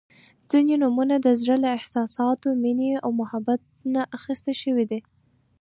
• ځینې نومونه د زړۀ له احساساتو، مینې او محبت نه اخیستل شوي دي.